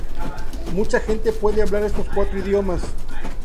Mucha gente puede hablar estos cuatro idiomas.